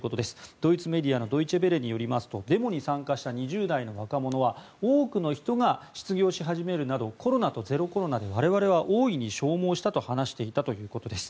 ドイツメディアのドイチェ・ヴェレによりますとデモに参加した２０代の若者は多くの人が失業し始めるなどコロナとゼロコロナで我々は大いに消耗したと話していたということです。